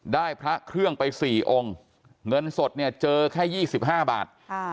พระเครื่องไป๔องค์เงินสดเนี่ยเจอแค่๒๕บาท